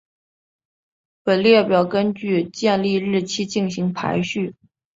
本列表根据建立日期进行排序。